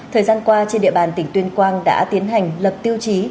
thời gian qua trên địa bàn tỉnh tuyên quang đã tiến hành lập tiêu chí